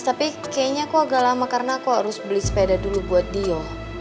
tapi kayaknya kok agak lama karena aku harus beli sepeda dulu buat dia